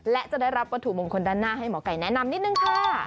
และจะได้รับวัตถุมงคลด้านหน้าให้หมอไก่แนะนำนิดนึงค่ะ